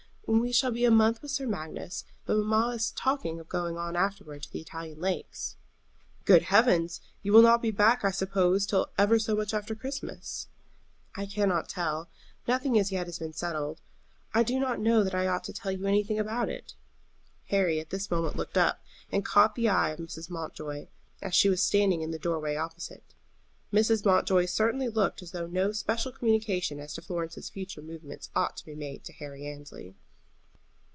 "We shall be a month with Sir Magnus; but mamma is talking of going on afterward to the Italian lakes." "Good heavens! you will not be back, I suppose, till ever so much after Christmas?" "I cannot tell. Nothing as yet has been settled. I do not know that I ought to tell you anything about it." Harry at this moment looked up, and caught the eye of Mrs. Mountjoy, as she was standing in the door way opposite. Mrs. Mountjoy certainly looked as though no special communication as to Florence's future movements ought to be made to Harry Annesley.